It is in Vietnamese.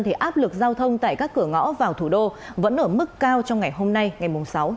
thì áp lực giao thông tại các cửa ngõ vào thủ đô vẫn ở mức cao trong ngày hôm nay ngày sáu tháng